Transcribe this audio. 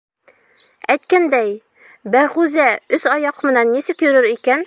Әйткәндәй, Бәғүзә өс аяҡ менән нисек йөрөр икән?